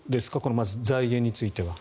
まず財源については。